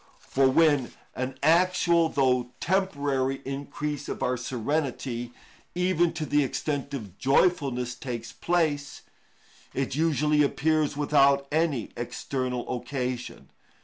For when an actual, though only temporary, increase of our serenity, even to the extent of joyfulness, takes place, it usually appears without any external occasion.